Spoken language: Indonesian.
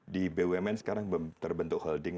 di bumn sekarang terbentuk holding